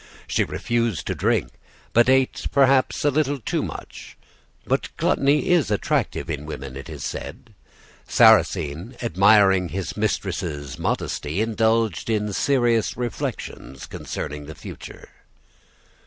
She refused to drink, but ate perhaps a little too much; but gluttony is attractive in women, it is said. Sarrasine, admiring his mistress' modesty, indulged in serious reflections concerning the future.